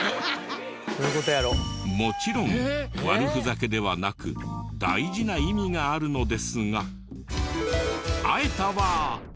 もちろん悪ふざけではなく大事な意味があるのですが。